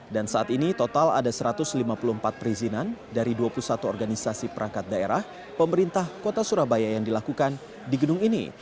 dan saat ini total ada satu ratus lima puluh empat perizinan dari dua puluh satu organisasi perangkat daerah pemerintah kota surabaya yang dilakukan di gedung ini